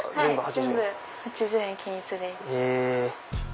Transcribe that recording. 全部８０円均一で。